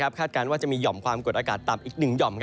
คาดการณ์ว่าจะมีห่อมความกดอากาศต่ำอีก๑หย่อม